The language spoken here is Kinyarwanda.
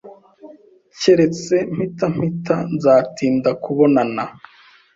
Keretse mpita mpita, nzatinda kubonana